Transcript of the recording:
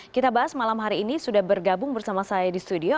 kita bahas malam hari ini sudah bergabung bersama saya di studio